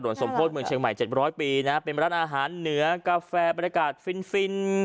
สมโพธิเมืองเชียงใหม่๗๐๐ปีนะเป็นร้านอาหารเหนือกาแฟบรรยากาศฟินฟิน